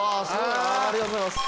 ありがとうございます。